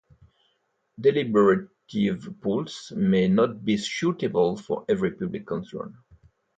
Deliberative Polls may not be suitable for every public concern.